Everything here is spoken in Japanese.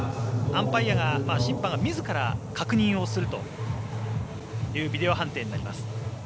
審判がみずから確認するというビデオ判定になります。